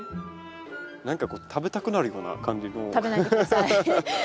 何かこう食べたくなるような感じの。